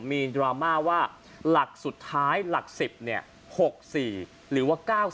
ดราม่าว่าหลักสุดท้ายหลัก๑๐๖๔หรือว่า๙๐